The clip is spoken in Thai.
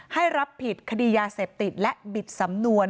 ให้รับผิดคดียาเสพติดและบิดสำนวน